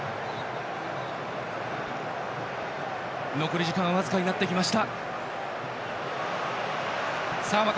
残り時間僅かになりました。